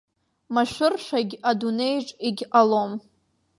Машәыршәагь адунеиаҿ егьҟалом.